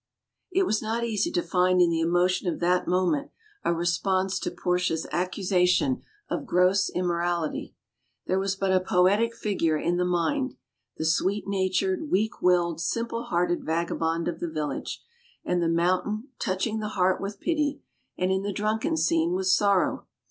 It was not easy to find in the emotion of that moment a response to Portia's accusation of gross immorality. There was but a poetic figure in the mind the sweet natured, weak willed, simple hearted vagabond of the village and the mountain touching the heart with pity, and, in the drunken scene, with sorrow.